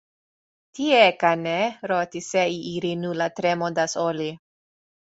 Τι έκανε; ρώτησε η Ειρηνούλα τρέμοντας όλη.